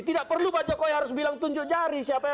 tidak perlu pak jokowi harus bilang tunjuk jari siapa